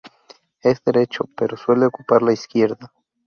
Es derecho, pero suele ocupar la izquierda.